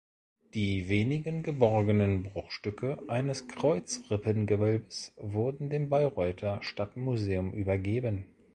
Die wenigen geborgenen Bruchstücke eines Kreuzrippengewölbes wurden dem Bayreuther Stadtmuseum übergeben.